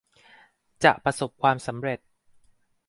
จะประสบความสำเร็จ